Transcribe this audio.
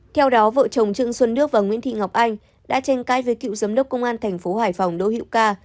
theo đó vợ chồng trương xuân đước và nguyễn thị ngọc anh đã tranh cãi với cựu giám đốc công an tp hải phòng đô hữu ca